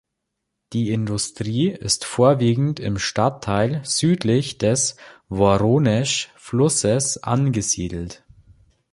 Die Industrie ist vorwiegend im Stadtteil südlich des Woronesch-Flusses angesiedelt.